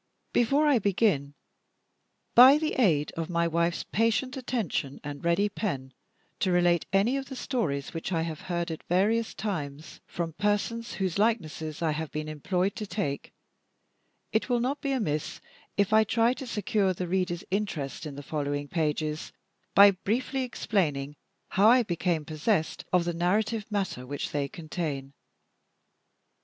Before I begin, by the aid of my wife's patient attention and ready pen, to relate any of the stories which I have heard at various times from persons whose likenesses I have been employed to take, it will not be amiss if I try to secure the reader's interest in the following pages, by briefly explaining how I became possessed of the narrative matter which they contain.